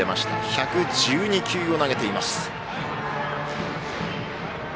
１１２球を投げています。